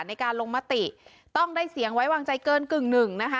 ในการลงมติต้องได้เสียงไว้วางใจเกินกึ่งหนึ่งนะคะ